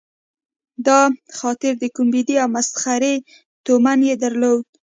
دا خاطره د کومیډي او مسخرې تومنه یې درلوده.